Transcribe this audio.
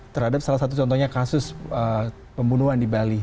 terhadap salah satu contohnya kasus pembunuhan di bali